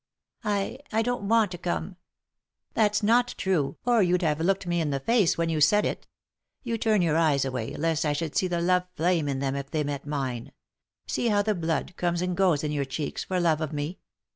" I — I don't want to come." " That's not true, or you'd hare looked me in the face when you said it You turn your eyes away, lest I should see the love flame in them if they met mine ; see how the blood comes and goes in your cheeks, for lore of me.